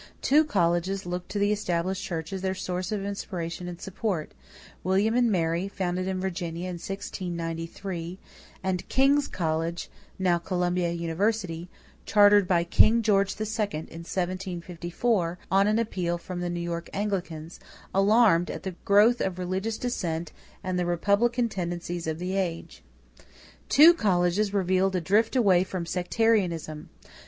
Two colleges looked to the Established Church as their source of inspiration and support: William and Mary, founded in Virginia in 1693, and King's College, now Columbia University, chartered by King George II in 1754, on an appeal from the New York Anglicans, alarmed at the growth of religious dissent and the "republican tendencies" of the age. Two colleges revealed a drift away from sectarianism.